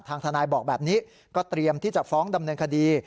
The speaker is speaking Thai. ทางทนายบอกแบบนี้ก็เตรียมที่จะฟ้องดำเนินคดี